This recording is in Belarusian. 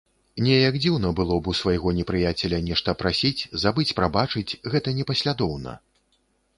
Неяк дзіўна было б у свайго непрыяцеля нешта прасіць забыць-прабачыць, гэта непаслядоўна!